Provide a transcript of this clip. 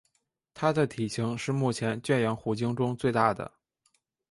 它的体型是目前圈养虎鲸中最大的。